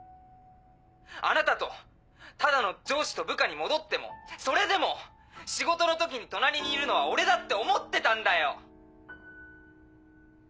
あなたとただの上司と部下に戻ってもそれでも仕事の時に隣にいるのは俺だって思ってたんだよ！